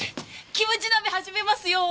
キムチ鍋始めますよ！